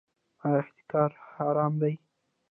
آیا احتکار حرام دی؟